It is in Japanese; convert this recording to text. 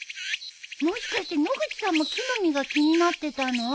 もしかして野口さんも木の実が気になってたの？